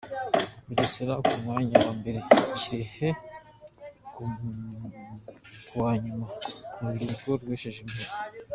Bugesera ku mwanya wa mbere Kirehe ku wa nyuma mu rubyiruko rwesheje imihigo